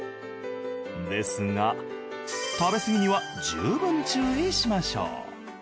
ですが食べ過ぎには十分注意しましょう。